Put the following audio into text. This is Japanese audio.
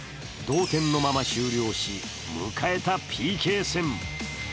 同点のまま終了し、迎えたＰＫ戦。